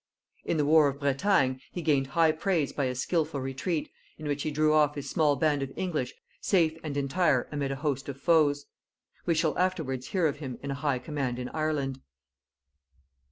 In the war of Bretagne he gained high praise by a skilful retreat, in which he drew off his small band of English safe and entire amid a host of foes. We shall afterwards hear of him in a high command in Ireland.